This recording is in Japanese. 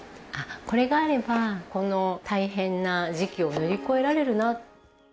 これがあればこの大変な時期を乗り越えられるな。